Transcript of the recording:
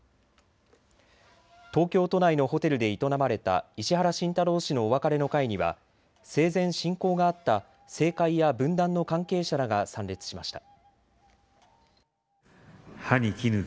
東京都内のホテルで営まれた石原慎太郎氏のお別れの会には生前、親交があった政界や文壇の関係者らが参列しました。